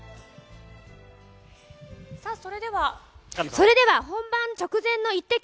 それでは本番直前のイッテＱ！